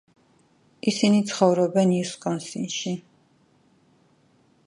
ისინი ცხოვრობენ უისკონსინში.